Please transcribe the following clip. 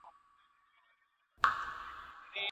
ایا ځايي کروندګر تور ممیز صادروي؟